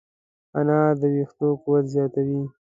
انار د ویښتو قوت زیاتوي.